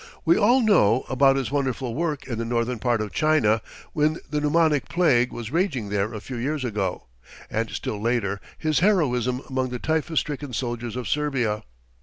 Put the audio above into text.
We all know about his wonderful work in the northern part of China, when the pneumonic plague was raging there a few years ago, and still later his heroism among the typhus stricken soldiers of Serbia.